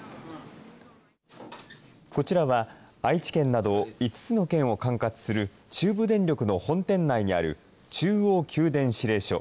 こちらは愛知県など５つの県を管轄する中部電力の本店内にある中央給電指令所。